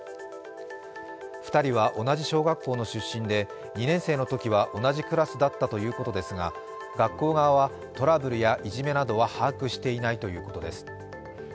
２人は同じ小学校の出身で、２年生のときは同じクラスだったということですが、学校側はトラブルやいじめなどは把握していないということです。